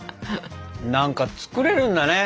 何か作れるんだね。